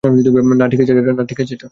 না, ঠিক আছে এটা।